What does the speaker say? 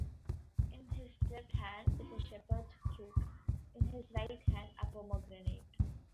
In his left hand is a shepherd's crook, in his right hand a pomegranate.